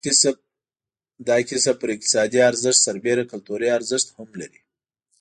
دا کسب پر اقتصادي ارزښت سربېره کلتوري ارزښت هم لري.